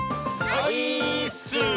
オイーッス！